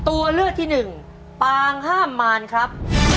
ตัวเลือกที่หนึ่งปางห้ามมารครับ